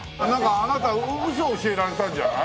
あなたウソを教えられたんじゃない？